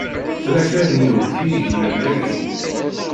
Tella kra n yiwet i yegnen daki.